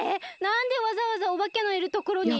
なんでわざわざおばけのいるところに？